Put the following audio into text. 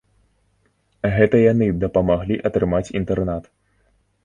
Гэта яны дапамаглі атрымаць інтэрнат.